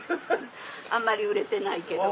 あんまり売れてないけど。